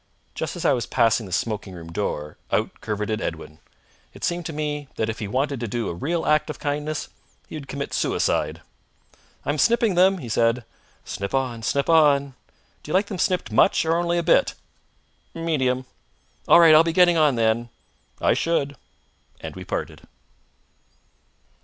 Just as I was passing the smoking room door, out curveted Edwin. It seemed to me that if he wanted to do a real act of kindness he would commit suicide. "I'm snipping them," he said. "Snip on! Snip on!" "Do you like them snipped much, or only a bit?" "Medium." "All right. I'll be getting on, then." "I should." And we parted.